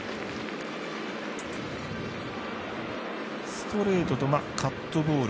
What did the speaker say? ストレートとカットボール